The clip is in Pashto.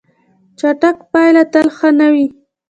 چټک پایله تل ښه نه وي.